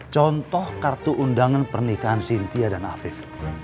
contoh kartu undangan pernikahan sintia dan afif